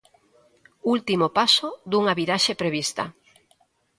Último paso dunha viraxe prevista.